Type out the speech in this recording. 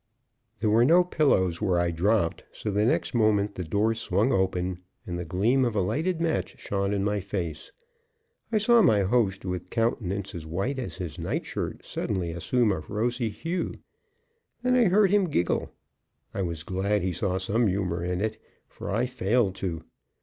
There were no pillows where I dropped, so the next moment the door swung open and the gleam of a lighted match shone in my face. I saw my host, with countenance as white as his nightshirt, suddenly assume a rosy hue, then I heard him giggle. I was glad he saw some humor in it, for I failed to.